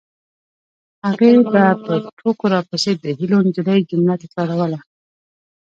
هغې به په ټوکو راپسې د هیلو نجلۍ جمله تکراروله